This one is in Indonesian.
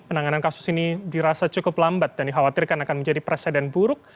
penanganan kasus ini dirasa cukup lambat dan dikhawatirkan akan menjadi presiden buruk